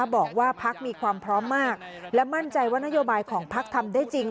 บอกว่าพักมีความพร้อมมากและมั่นใจว่านโยบายของพักทำได้จริง